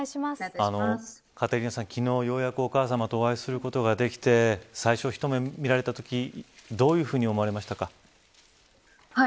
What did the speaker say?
昨日ようやくお母さまとお会いすることができて最初、一目見られたときどういうふうに思われましたか。